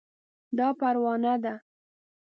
دا پروانه ده